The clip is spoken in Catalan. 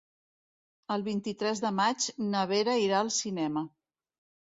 El vint-i-tres de maig na Vera irà al cinema.